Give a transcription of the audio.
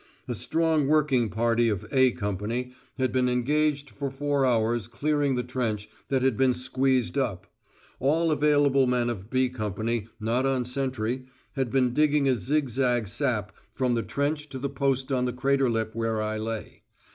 A strong working party of "A" Company had been engaged for four hours clearing the trench that had been squeezed up; all available men of "B" Company not on sentry had been digging a zigzag sap from the trench to the post on the crater lip where I lay.